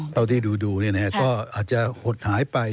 เท่าที่ดูก็อาจจะหดหายไป